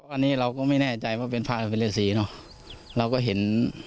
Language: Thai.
อันนี้เราก็ไม่แน่ใจว่าเป็นพระหรือเป็นฤษีเนอะเราก็เห็น